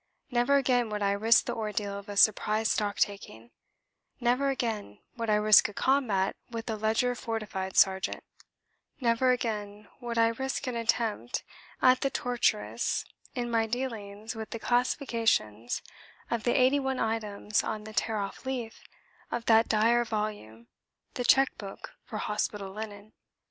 Never again would I risk the ordeal of a surprise stocktaking; never again would I risk a combat with a ledger fortified sergeant; never again would I risk any attempt at the tortuous in my dealings with the classifications of the eighty one items on the tear off leaf of that dire volume, the Check Book for Hospital Linen.